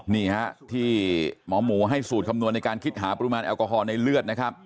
นี่ฮะที่หมอหมูให้สูตรคำนวณในการคิดหาปริมาณแอลกอฮอล์ในเลือดนะครับ